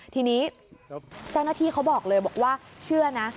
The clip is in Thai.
ทีนี้เจ้าหน้าที่เขาบอกเลยบอกว่าเชื่อนะ